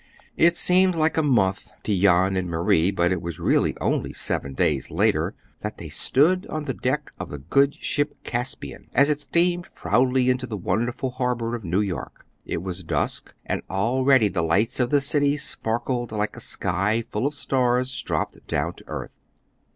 It seemed like a month to Jan and Marie, but it was really only seven days later that they stood on the deck of the good ship Caspian, as it steamed proudly into the wonderful harbor of New York. It was dusk, and already the lights of the city sparkled like a sky full of stars dropped down to earth.